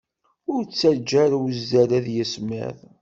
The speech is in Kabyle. Ur ttaǧǧa ara uzzal ad yismiḍ!